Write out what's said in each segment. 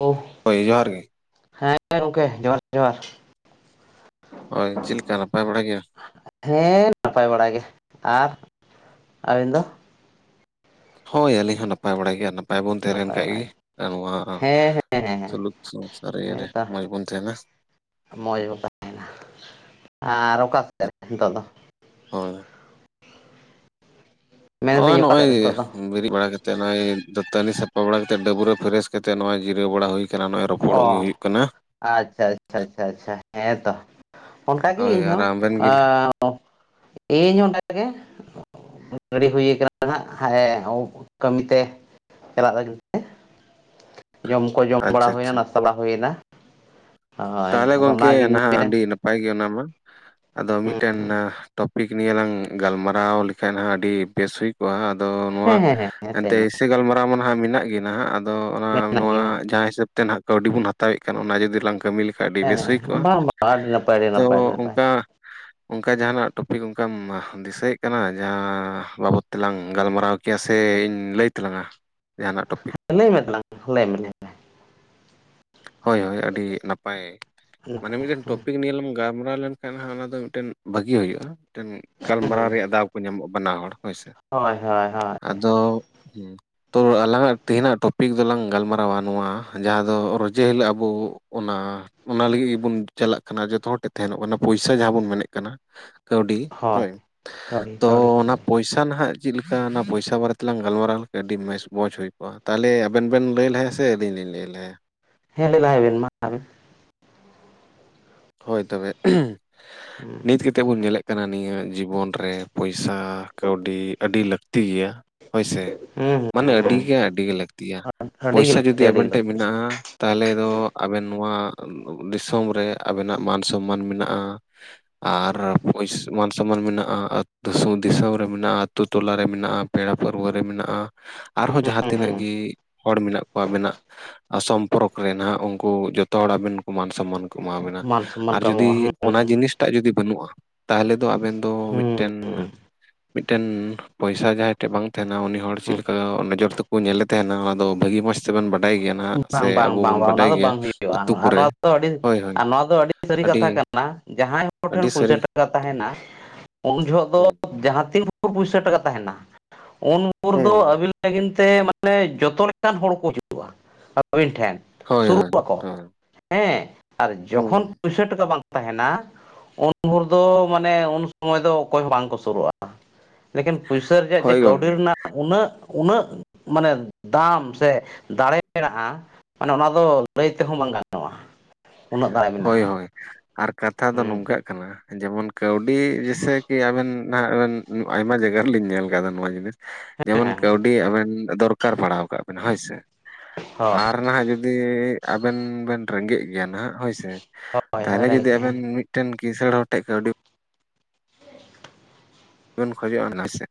ᱳᱸᱻ ᱦᱳᱭ ᱡᱚᱦᱟᱨ ᱜᱮ ᱦᱮᱸ ᱜᱚᱝᱠᱮ ᱡᱚᱦᱟᱨ ᱡᱚᱦᱟᱨ ᱦᱳᱭ ᱪᱮᱫ ᱞᱮᱠᱟ ᱱᱟᱯᱟᱭ ᱵᱟᱲᱟ ᱜᱮᱭᱟ? ᱦᱮᱸ ᱱᱟᱯᱟᱭ ᱵᱟᱲᱟ ᱜᱮ᱾ ᱟᱨ ᱟᱹᱵᱤᱱ ᱫᱚ? ᱦᱳᱭ ᱟᱹᱞᱤᱧ ᱦᱚᱸ ᱱᱟᱯᱟᱭ ᱵᱟᱲᱟ ᱜᱮ ᱟᱨ ᱱᱟᱯᱟᱭ ᱵᱚᱱ ᱛᱟᱦᱮᱸ ᱱᱟᱯᱟᱭ ᱞᱮᱱᱠᱷᱟᱡ ᱵᱟᱲᱟ ᱜᱮ ᱟᱵᱚ ᱢᱟ ᱦᱮᱸ ᱦᱮᱸ ᱦᱮᱸ ᱥᱚᱞᱩᱠ ᱥᱚᱝᱥᱟᱨ ᱤᱭᱟᱹ ᱨᱮ ᱦᱮᱸᱛᱚ ᱢᱚᱡᱽ ᱵᱚᱱ ᱛᱟᱦᱮ ᱱᱟ᱾ ᱢᱚᱡᱽ ᱵᱟ ᱟᱨ ᱚᱠᱟ ᱥᱮᱫᱛᱮᱫ ᱱᱤᱛᱳᱜ ᱫᱚ? ᱦᱳᱭ᱾ ᱱᱚᱜ-ᱚᱭ ᱢᱮᱱᱫᱟᱹᱧ ᱚᱠᱟ ᱱᱚᱜ-ᱚᱭ ᱥᱮᱫ ᱨᱮ ᱜᱮ ᱱᱤᱛᱚᱜ ᱫᱚ ᱵᱤᱨᱮᱜ ᱵᱟᱲᱟ ᱠᱟ ᱱᱚᱜᱚᱭ ᱫᱟᱹᱛᱟᱹᱱᱤ ᱥᱟᱯᱷᱟ ᱵᱟᱲᱟ ᱠᱟᱛᱮᱫ ᱰᱟᱹᱵᱽᱨᱟᱹ ᱯᱷᱮᱨᱮᱥ ᱠᱟᱛᱮ ᱱᱚᱜᱚᱭ ᱡᱤᱨᱟᱹᱣ ᱵᱟᱲᱟ ᱦᱳᱭ ᱠᱟᱱᱟ ᱱᱚᱜ-ᱚᱭ ᱨᱚᱯᱚᱲᱚᱜ ᱜᱮ ᱚ ᱦᱩᱭᱩᱜ ᱠᱟᱱᱟ᱾ ᱟᱪᱪᱷᱟ ᱟᱪᱪᱷᱟ ᱟᱪᱪᱷᱟ ᱦᱮ ᱛᱚ ᱚᱱᱠᱟᱜᱮ ᱦᱳᱭ ᱤᱧ ᱟᱨ ᱦᱚᱸ ᱟᱵᱮᱱ ᱜᱮ ᱟ ᱚ ᱤᱧ ᱦᱚ ᱚᱱᱟ ᱛᱮᱜᱮ ᱜᱟᱹᱲᱤ ᱦᱩᱭ ᱠᱟᱱᱟ ᱦᱟᱸᱜ ᱦᱟᱭ ᱟᱵᱚ ᱠᱟᱹᱢᱤ ᱛᱮ ᱪᱟᱞᱟᱜ ᱞᱟᱹᱜᱤᱫ ᱡᱚᱢ ᱠᱚ ᱡᱚᱢ ᱵᱟᱲᱟ ᱟᱪᱪᱷᱟ ᱦᱩᱭᱱᱟ ᱟᱪᱪᱷᱟ ᱱᱟᱥᱛᱟ ᱵᱟᱲᱟ ᱦᱩᱭᱱᱟ᱾ ᱦᱳᱭ ᱛᱟᱦᱚᱞᱮ ᱟᱫᱚ ᱜᱚᱝᱠᱮ ᱚᱱᱟᱜᱤᱧ ᱱᱟᱦᱟᱜ ᱢᱮᱱᱟ ᱟᱹᱰᱤ ᱱᱟ ᱱᱟᱯᱟᱭ ᱜᱮ ᱚᱱᱟ ᱢᱟ ᱟᱫᱚ ᱢᱤᱫ ᱴᱮᱱ ᱴᱚᱯᱤᱠ ᱱᱤᱭᱮ ᱞᱟᱝ ᱜᱟᱞᱢᱟᱨᱟᱣ ᱞᱮ ᱠᱷᱟᱱ ᱦᱟ ᱟᱹᱰᱤ ᱵᱮᱥ ᱦᱩᱭ ᱠᱚᱜ-ᱟ ᱟᱫᱚ ᱱᱚᱣᱟ ᱦᱮᱸ ᱦᱮᱸ ᱦᱮᱸ ᱞᱟᱹᱭ ᱮᱱᱛᱮ ᱢᱮ ᱥᱮᱸ ᱜᱟᱞᱢᱟᱨᱟᱣ ᱢᱟ ᱱᱟᱦᱟᱜ ᱢᱮᱱᱟᱜ ᱜᱮ ᱱᱟᱦᱟᱜ ᱟᱫᱚ ᱚᱱᱟ ᱢᱮᱱᱟᱜ ᱱᱚᱣᱟ ᱜᱮᱭᱟ ᱡᱟᱦᱟᱸ ᱦᱤᱥᱟᱹᱵ ᱛᱮ ᱱᱟᱦᱟᱜ ᱠᱟᱹᱣᱰᱤ ᱵᱚᱱ ᱦᱟᱛᱟᱣ ᱮᱫ ᱠᱟᱱ ᱚᱱᱟ ᱡᱩᱫᱤ ᱞᱟᱝ ᱠᱟᱹᱢᱤ ᱞᱮ ᱦᱮᱸ ᱦᱮᱸᱵᱟᱝ ᱵᱟᱝ ᱟᱹᱰᱤ ᱱᱟᱯᱟᱭ ᱟᱹᱰᱤ ᱛᱚ ᱱᱟᱯᱟᱭ ᱱᱟᱯᱟᱭ ᱚᱱᱠᱟ ᱚᱱᱠᱟ ᱡᱟᱦᱟᱱᱟᱜ ᱴᱚᱯᱤᱠ ᱚᱱᱠᱟᱢ ᱫᱤᱥᱟᱹᱭᱮᱫ ᱠᱟᱱᱟ ᱡᱟᱦᱟᱸ ᱵᱟᱵᱚᱫ ᱛᱮᱞᱟᱝ ᱜᱟᱞᱢᱟᱨᱟᱣ ᱠᱮᱭᱟ ᱥᱮ ᱤᱧ ᱞᱟᱹᱭ ᱛᱟᱞᱟᱝᱟ ᱡᱟᱦᱟᱱᱟᱜ ᱴᱚᱯᱤᱠ᱾ ᱞᱟᱹᱭ ᱢᱮ ᱛᱟᱞᱟᱝ ᱞᱟᱹᱭ ᱢᱮ ᱞᱟᱹᱭ ᱢᱮ᱾ ᱦᱳᱭ ᱦᱳᱭ ᱟᱹᱰᱤ ᱱᱟᱯᱟᱭ ᱦᱩᱸ ᱢᱟᱱᱮ ᱢᱤᱫᱴᱮᱱ ᱴᱚᱯᱤᱠ ᱱᱤᱭᱮ ᱞᱟᱝ ᱜᱟᱞᱢᱟᱨᱟᱣ ᱞᱮᱱᱠᱷᱟᱱ ᱦᱟᱜ ᱚᱱᱟ ᱫᱚ ᱢᱤᱫᱴᱮᱱ ᱵᱷᱟᱜᱤ ᱦᱩᱭᱩᱜᱼᱟ, ᱢᱤᱫᱴᱮᱱ ᱜᱟᱞᱢᱟᱨᱟᱣ ᱦᱩᱸ ᱨᱮᱭᱟᱜ ᱫᱟᱣ ᱠᱚ ᱧᱟᱢᱚᱜᱼᱟ ᱵᱟᱱᱟ ᱦᱚᱲ ᱦᱳᱭᱥᱮ ᱦᱳᱭ ᱦᱳᱭ ᱦᱳᱭ ᱟᱫᱚ ᱦᱩᱸ, ᱛᱚ ᱟᱞᱟᱝᱟᱜ ᱛᱮᱦᱤᱧᱟᱜ ᱴᱚᱯᱤᱠ ᱫᱚᱞᱟᱝ ᱜᱟᱞᱢᱟᱨᱟᱣᱟ ᱱᱚᱣᱟ ᱡᱟᱦᱟᱸ ᱫᱚ ᱨᱚᱡᱮ ᱦᱤᱞᱳᱜ ᱟᱵᱚ ᱚᱱᱟ ᱚᱱᱟ ᱞᱟᱹᱜᱤᱫ ᱜᱮᱵᱚᱱ ᱪᱟᱞᱟᱜ ᱠᱟᱱᱟ ᱡᱚᱛᱚ ᱦᱚᱲ ᱴᱷᱮᱜ ᱛᱟᱦᱮᱱᱚᱜ ᱠᱟᱱᱟ ᱯᱚᱭᱥᱟ ᱡᱟᱦᱟᱸ ᱵᱚᱱ ᱢᱮᱱᱮᱫ ᱠᱟᱱᱟ ᱠᱟᱹᱣᱰᱤ ᱦᱳᱭ ᱠᱟᱹᱣᱰᱤ ᱛᱚ ᱠᱟᱹᱣᱰᱤ ᱱᱚᱣᱟ ᱠᱟᱹᱣᱰᱤ ᱯᱚᱭ ᱥᱟ ᱱᱟᱦᱟᱜ ᱪᱮᱫ ᱞᱮᱠᱟ ᱚᱱᱟ ᱯᱚᱭᱥᱟ ᱵᱟᱨᱮᱛᱮᱞᱟᱝ ᱜᱟᱞᱢᱟᱨᱟᱣ ᱞᱮᱠᱷᱟᱡ ᱟᱹᱰᱤ ᱢᱚᱸᱡ ᱦᱩᱭ ᱠᱚᱜᱼᱟ ᱾ ᱛᱟᱦᱚᱞᱮ ᱟᱵᱮᱱ ᱵᱮᱱ ᱞᱟᱹᱭ ᱞᱟᱦᱟᱭᱟ ᱥᱮ ᱥᱮ ᱟᱹᱞᱤᱧ ᱞᱤᱧ ᱞᱮᱭ ᱞᱟᱦᱟᱭᱟ? ᱦᱮᱸ ᱞᱮᱭ ᱞᱟᱦᱟᱭ ᱵᱮᱱ ᱢᱟ ᱟᱵᱤᱱ ᱾ ᱦᱳᱭ ᱛᱚᱵᱮ ᱱᱤᱛ ᱜᱮ ᱛᱮᱵᱚᱱ ᱧᱮᱞᱮᱜ ᱠᱟᱱᱟ ᱱᱤᱭᱟᱹ ᱡᱤᱵᱚᱱ ᱨᱮ ᱯᱚᱭᱥᱟ ᱠᱟᱹᱣᱰᱤ ᱟᱹᱰᱤ ᱞᱟᱹᱠᱛᱤ ᱜᱮᱭᱟ᱾ ᱦᱳᱭᱥᱮ, ᱦᱩᱸ ᱢᱟᱱᱮ ᱟᱹᱰᱤ ᱦᱩᱸ ᱜᱮ ᱟᱹᱰᱤ ᱜᱮ ᱞᱟᱹᱠᱛᱤᱭᱟ ᱦᱩᱸ ᱟᱹᱰᱤ ᱜᱮ ᱯᱚᱭᱥᱟ ᱡᱩᱫᱤ ᱞᱟᱹᱠᱛᱤ ᱟᱹᱰᱤ ᱟᱵᱮᱱ ᱴᱷᱮᱱ ᱞᱟᱹᱠᱛᱤ ᱢᱮᱱᱟᱜᱼᱟ, ᱛᱟᱦᱚᱞᱮ ᱫᱚ ᱟᱵᱮᱱ ᱱᱚᱣᱟ ᱫᱤᱥᱚᱢ ᱨᱮ ᱟᱵᱮᱱᱟᱜ ᱢᱟᱱ ᱥᱚᱢᱢᱟᱱ ᱢᱮᱱᱟᱜᱼᱟ᱾ ᱟᱨ ᱯᱩᱭᱥ ᱢᱟᱱ ᱥᱚᱢᱢᱟᱱ ᱢᱮᱱᱟᱜᱼᱟ, [unintelligible] ᱫᱤᱥᱚᱢ ᱨᱮ ᱢᱮᱱᱟᱜᱼᱟ, ᱟᱹᱛᱩ ᱴᱚᱞᱟ ᱨᱮ ᱢᱮᱱᱟᱜᱼᱟ, ᱯᱮᱲᱟ ᱯᱟᱹᱨᱣᱟᱹ ᱨᱮ ᱢᱮᱱᱟᱜᱼᱟ ᱟᱨᱦᱚᱸ ᱡᱟᱦᱟᱸ ᱦᱩᱸ ᱦᱩᱸ ᱛᱤᱱᱟᱹᱜ ᱜᱮ ᱦᱚᱲ ᱢᱮᱱᱟᱜ ᱠᱚᱣᱟ ᱢᱮᱱᱟᱜ ᱟᱥᱚᱢ ᱯᱚᱨᱚᱠ ᱨᱮ ᱱᱟᱦᱟᱜ ᱩᱝᱠᱩ ᱡᱚᱛᱚ ᱦᱚᱲ ᱟᱵᱤᱱ ᱠᱚ ᱢᱟᱱ ᱥᱚᱢᱢᱟᱱ ᱠᱚ ᱮᱢᱟᱵᱤᱱᱟ ᱢᱟᱱ ᱾ ᱥᱚᱱᱢᱟᱱ ᱟᱨ ᱠᱚ ᱮᱢᱚᱜᱼᱟ ᱡᱩᱫᱤ ᱦᱩᱸ ᱚᱱᱟ ᱡᱤᱱᱤᱥᱴᱟᱜ ᱡᱩᱫᱤ ᱵᱟᱹᱱᱩᱜᱼᱟ ᱛᱟᱦᱚᱞᱮ ᱫᱚ ᱟᱵᱮᱱ ᱫᱚ ᱦᱩᱸ ᱢᱤᱫᱴᱮᱱ [inaudible] ᱢᱤᱫᱴᱮᱱ ᱯᱚᱭᱥᱟ ᱡᱟᱦᱟᱸᱭ ᱴᱷᱮᱡ ᱵᱟᱝ ᱛᱟᱦᱮᱱᱟ ᱩᱱᱤ ᱦᱚᱲ ᱪᱮᱫ ᱦᱩᱸ ᱞᱮᱠᱟ ᱱᱚᱡᱚᱨ ᱛᱮᱠᱚ ᱧᱮᱞᱮ ᱛᱟᱦᱮᱱᱟ ᱚᱱᱟ ᱫᱚ ᱵᱷᱟᱹᱜᱤ ᱢᱚᱸᱡᱽ ᱥᱮᱵᱚᱱ ᱵᱟᱰᱟᱭ ᱜᱮᱭᱟ ᱱᱟᱦᱟᱜ ᱥᱮ ᱵᱟᱝ ᱵᱟᱝ ᱟᱵᱚ ᱵᱟᱝ ᱵᱚᱱ ᱵᱟᱝ ᱚᱱᱟ ᱵᱟᱰᱟᱭ ᱫᱚ ᱜᱮᱭᱟ ᱵᱟᱝ ᱦᱩᱭᱩᱜᱼᱟ ᱟᱹᱛᱩ ᱟᱨ ᱠᱚᱨᱮ᱾ ᱱᱚᱣᱟ ᱫᱚ ᱟᱹᱰᱤ ᱦᱳᱭ ᱦᱳᱭ ᱟᱨ ᱱᱚᱣᱟ ᱫᱚ ᱟᱹᱰᱤ ᱥᱟᱹᱨᱤ ᱠᱟᱛᱷᱟ ᱠᱟᱱᱟ ᱡᱟᱦᱟᱸᱭ ᱦᱚᱲ ᱴᱷᱮᱱ ᱟᱹᱰᱤ ᱯᱩᱭᱥᱟᱹ ᱥᱟᱹᱨᱤ ᱴᱟ ᱠᱟ ᱛᱟᱦᱮᱱᱟ ᱩᱱ ᱡᱚᱦᱚᱜ ᱫᱚ ᱦᱮᱸ ᱡᱟᱦᱟᱸ ᱛᱤᱱ ᱯᱩᱭᱥᱟ ᱴᱟᱠᱟ ᱛᱟᱦᱮᱱᱟ ᱩᱱ ᱵᱷᱳᱨ ᱫᱚ ᱦᱮᱸ ᱟᱹᱵᱤᱱ ᱞᱟᱹᱜᱤᱱ ᱛᱮ ᱢᱟᱱᱮ ᱡᱚᱛᱚ ᱞᱮᱠᱟᱱ ᱦᱚᱲ ᱠᱚ [unintelligible] ᱟᱵᱤᱱ ᱴᱷᱮᱱ ᱾ ᱦᱳᱭ ᱦᱳᱭ ᱦᱳᱭ᱾ ᱦᱮᱸ ᱟᱨ ᱡᱚᱠᱷᱚᱱ ᱦᱮᱸ ᱯᱩᱭᱥᱟ ᱴᱟᱠᱟ ᱵᱟᱝ ᱛᱟᱦᱮᱱᱟ ᱩᱱ ᱵᱷᱳᱨ ᱫᱚ ᱢᱟᱱᱮ ᱩᱱ ᱥᱚᱢᱚᱭ ᱫᱚ ᱚᱠᱚᱭ ᱦᱚᱸ ᱵᱟᱝᱠᱚ ᱥᱩᱨᱩᱜᱼᱟ᱾ ᱞᱮᱠᱤᱱ ᱯᱩᱭᱥᱟᱹ ᱨᱮᱭᱟᱜ ᱡᱮ ᱦᱳᱭ ᱠᱟᱹᱣᱰᱤ ᱜᱚᱝᱠᱮ ᱨᱮᱱᱟᱜ ᱩᱱᱟᱹᱜ ᱩᱱᱟᱹᱜ ᱢᱟᱱᱮ ᱫᱟᱢ ᱥᱮ ᱫᱟᱲᱮ ᱢᱮᱱᱟᱜᱼᱟ ᱢᱟᱱᱮ ᱚᱱᱟ ᱫᱚ ᱞᱟᱹᱭ ᱛᱮᱦᱚᱸ ᱵᱟᱝ ᱜᱟᱱᱚᱜᱼᱟ᱾ ᱩᱱᱟᱹᱜ ᱫᱟᱲᱮ ᱦᱳᱭ ᱢᱮᱱᱟᱜᱼᱟ ᱦᱳᱭ, ᱟᱨ ᱠᱟᱛᱷᱟ ᱫᱚ ᱦᱮᱸ ᱱᱚᱝᱠᱟᱜ ᱠᱟᱱᱟ ᱡᱮᱢᱚᱱ ᱠᱟᱹᱣᱰᱤ ᱡᱮ ᱥᱮ ᱠᱤ ᱟᱵᱮᱱ ᱱᱟᱜ ᱟᱵᱮᱱ ᱟᱭᱢᱟ ᱡᱟᱭᱜᱟ ᱨᱮᱞᱤᱧ ᱧᱮᱞ ᱠᱟᱫᱟ ᱱᱚᱣᱟ ᱡᱤᱱᱤᱥ ᱡᱮᱢᱚᱱ ᱦᱮᱸ ᱠᱟᱹᱣᱰᱤ ᱟᱵᱮᱱ ᱫᱚᱨ ᱠᱟᱨ ᱯᱟᱲᱟᱣ ᱠᱟᱜ ᱵᱮᱱᱟ ᱦᱳᱭᱥᱮ ᱦᱳᱭ ᱾ ᱟᱨ ᱱᱟᱦᱟᱜ ᱡᱩ ᱫᱤ ᱟᱵᱮᱱ ᱵᱮᱱ ᱨᱮᱸᱜᱮᱡ ᱜᱮᱭᱟ ᱱᱟᱦᱟᱜ ᱦᱳᱭᱥᱮ ᱦᱳᱭ ᱦᱳᱭ ᱛᱟᱦᱚᱞᱮ ᱨᱮᱸᱜᱮᱡ ᱡᱩᱫᱤ ᱜᱮᱭᱟ ᱟᱵᱮᱱ ᱢᱤᱫ ᱴᱮᱱ ᱠᱤᱥᱟᱹᱲ ᱦᱚᱲ ᱴᱷᱮᱡ ᱠᱟᱹᱣᱰᱤ ᱵᱮᱱ ᱠᱷᱚᱡᱚᱜᱼᱟ [inaudible] ᱥᱮ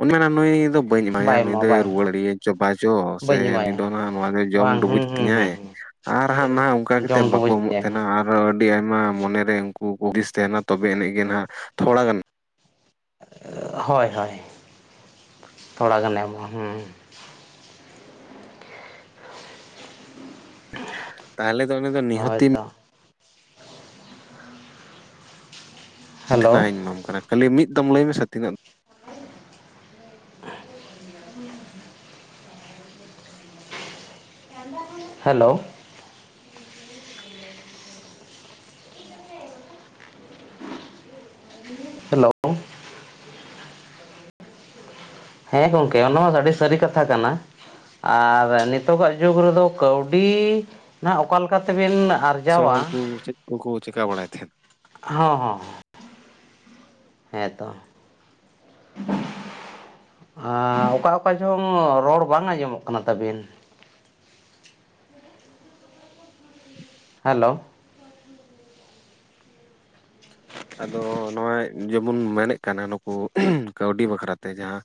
ᱩᱱᱤ ᱢᱮᱱᱟ ᱱᱩᱭ ᱫᱚ ᱵᱟᱹᱧ ᱮᱢᱟᱭᱟ ᱵᱟᱭ ᱱᱩᱭ ᱮᱢᱚᱜᱼᱟ ᱫᱚᱭ ᱵᱟᱭ ᱨᱩᱣᱟᱹᱲ ᱮᱢᱚᱜᱼᱟ [unintelligible] ᱪᱚ ᱵᱟᱝ ᱪᱚ ᱥᱮ ᱵᱟᱹᱧ ᱱᱩᱭ ᱮᱢᱟᱭᱟ ᱫᱚ ᱱᱟᱦᱟᱸᱜ ᱱᱚᱣᱟ ᱫᱚᱭ ᱡᱚᱢ ᱵᱟᱝ ᱦᱩᱸ ᱰᱩᱵᱩᱡ ᱦᱩᱸ ᱦᱩᱸ ᱛᱤᱧᱟᱭ! ᱦᱩᱸ ᱟᱨ ᱦᱟᱸᱜ ᱱᱟᱦᱟᱜ ᱚᱝᱠᱟ ᱠᱟᱛᱮ ᱡᱚᱢ ᱵᱟᱠᱚ ᱰᱩᱵᱩᱡ ᱮᱢᱚᱜ ᱜᱮ ᱛᱟᱦᱮᱱᱟ, ᱟᱨ ᱟᱨ ᱟᱹᱰᱤ ᱟᱭᱢᱟ ᱢᱚᱱᱮᱨᱮ ᱩᱝᱠᱩ ᱦᱩᱫᱤᱥ ᱛᱟᱦᱮᱱᱟ ᱛᱚᱵᱮ ᱟᱹᱱᱤᱡ ᱜᱮ ᱱᱟᱦᱟᱜ ᱛᱷᱚᱲᱟ ᱜᱟᱱ ᱦᱳᱭ ᱦᱳᱭ ᱛᱷᱚᱲᱟ ᱜᱟᱱ [inaudible] ᱦᱩᱸ᱾ ᱛᱟᱦᱚᱞᱮ ᱫᱚ ᱩᱱᱤᱫᱚ ᱱᱤᱦᱚᱛᱤᱢ ᱦᱳᱭᱛᱚ ᱦᱮᱞᱳ ᱫᱷᱤᱱᱟᱹᱱ ᱤᱧ ᱮᱢᱟᱢ ᱠᱟᱱᱟ ᱠᱷᱟᱹᱞᱤ ᱢᱤᱫ ᱫᱚᱢ ᱞᱟᱹᱭ ᱢᱮᱥᱮ ᱛᱤᱱᱟᱹᱜ ᱦᱮᱞᱳ! ᱦᱮᱞᱳ! ᱦᱮᱸ ᱜᱚᱝᱠᱮ ᱚᱱᱟ ᱦᱚᱸ ᱟᱹᱰᱤ ᱥᱟᱹᱨᱤ ᱠᱟᱛᱷᱟ ᱠᱟᱱᱟ᱾ ᱟᱨ ᱱᱤᱛᱚᱜᱟᱜ ᱡᱩᱜᱽ ᱨᱮᱫᱚ ᱠᱟᱹᱣᱰᱤ ᱱᱟᱦᱟᱜ ᱚᱠᱟ ᱞᱮᱠᱟ ᱛᱮᱵᱮᱱ ᱟᱨ ᱠᱤᱥᱟᱹᱲ ᱦᱚᱲ ᱠᱚ ᱪᱮᱫ ᱠᱚᱠᱚ ᱪᱮᱠᱟ ᱵᱟᱲᱟᱭᱮᱫ ᱛᱟᱦᱮᱫ? ᱦᱚᱸ ᱦᱚᱸ ᱦᱚᱸ᱾ ᱦᱮᱸᱛᱚ ᱾ ᱚᱠᱟ ᱚᱠᱟ ᱡᱚᱝ ᱨᱚᱲ ᱵᱟᱝ ᱟᱸᱡᱚᱢᱚᱜ ᱠᱟᱱᱟ ᱛᱟᱵᱤᱱ᱾ ᱦᱮᱞᱳ᱾ ᱟᱫᱚ ᱱᱚᱜᱼᱚᱭ ᱡᱮᱵᱩᱱ ᱢᱮᱱᱮᱫ ᱠᱟᱱᱟ ᱱᱩᱠᱩ ᱠᱟᱹᱣᱰᱤ ᱵᱟᱠᱷᱨᱟᱛᱮ ᱡᱟᱦᱟᱸ